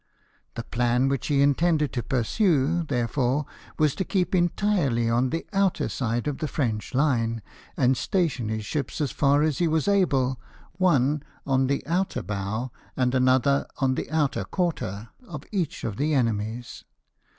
The plan which he intended to pursue, therefore, was to keep entirely on the outer side of the French line, and station his ships, as far as he was able, one on the outer bow, and another on the outer quarter, of each of the enemy's.